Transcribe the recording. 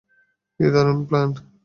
কী দারুণ প্লান!